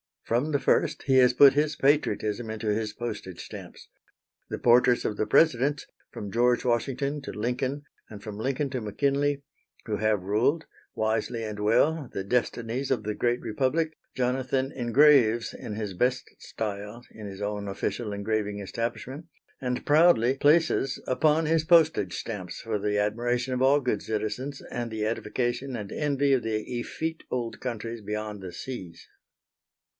From the first he has put his patriotism into his postage stamps. The portraits of the Presidents, from George Washington to Lincoln, and from Lincoln to McKinley, who have ruled, wisely and well, the destinies of the great Republic, Jonathan engraves in his best style, in his own official engraving establishment, and proudly places upon his postage stamps for the admiration of all good citizens and the edification and envy of the effete old countries beyond the seas.